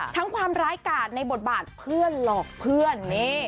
ความร้ายกาดในบทบาทเพื่อนหลอกเพื่อน